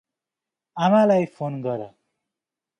अामालाई phone गर ।